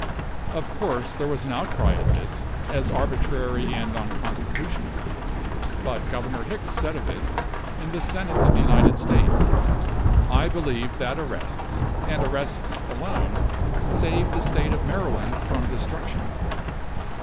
Of course there was an outcry at this, as arbitrary and unconstitutional. But Governor Hicks said of it, in the Senate of the United States, "I believe that arrests, and arrests alone, saved the State of Maryland from destruction."